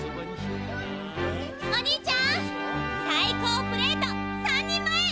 お兄ちゃんサイコープレート３人前！